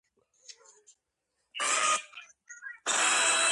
უცნობია თუ რა დანიშნულებას ასრულებდა აღნიშნული ხვრელი.